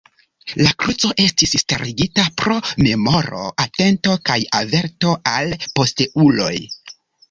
La kruco estis starigita pro memoro, atento kaj averto al posteuloj.